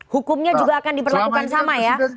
hukumnya juga akan diperlakukan sama ya